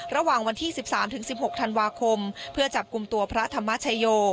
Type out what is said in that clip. ระหว่างวันที่๑๓๑๖ธันวาคมเพื่อจับกลุ่มตัวพระธรรมชโย